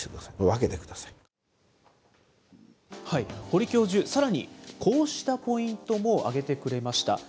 堀教授、さらにこうしたポイントも挙げてくれました。